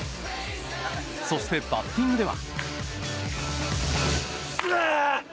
そしてバッティングでは。